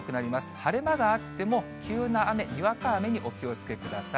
晴れ間があっても急な雨、にわか雨にお気をつけください。